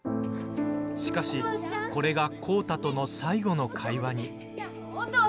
しかし、これが浩太との最後の会話に。